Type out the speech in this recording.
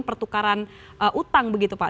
pertukaran utang begitu pak